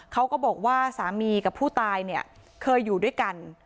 เขาก็บอกว่าสามีกับผู้ตายเนี่ยเคยอยู่ด้วยกัน